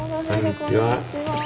こんにちは。